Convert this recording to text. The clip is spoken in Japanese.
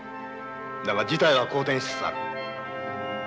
だが事態は好転しつつある。